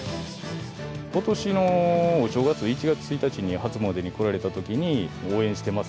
ことしのお正月１月１日に初詣に来られたときに、応援してます。